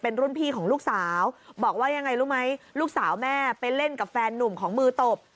เป็นรุ่นพี่ของลูกสาวบอกว่ายังไงรู้ไหมลูกสาวแม่ไปเล่นกับแฟนนุ่มของมือตบ